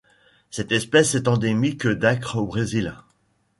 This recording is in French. Cette espèce est endémique d'Acre au Brésil.